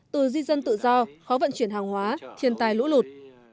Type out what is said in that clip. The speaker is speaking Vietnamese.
từ di dân tự do khó vận chuyển hàng hóa thiền tài lũ lụt